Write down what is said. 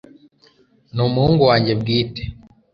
n'umuhungu wanjye bwite